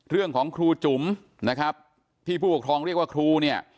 ครูจุ๋มนะครับที่ผู้ปกครองเรียกว่าครูเนี่ย